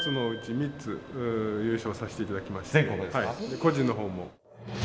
個人のほうも。